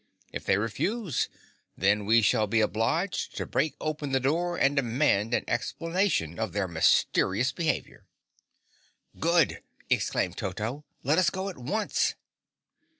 If they refuse, then we shall be obliged to break open the door and demand an explanation of their mysterious behavior." "Good!" exclaimed Toto. "Let us go at once."